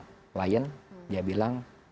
klien dia bilang